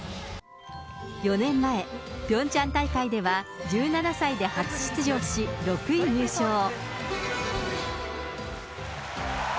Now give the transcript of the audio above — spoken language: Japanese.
４年前、ピョンチャン大会では１７歳で初出場し、６位入賞。